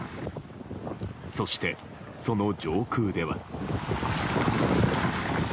そして、その上空では。